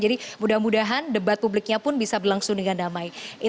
jadi mudah mudahan debat publiknya pun bisa berlangsung dengan damai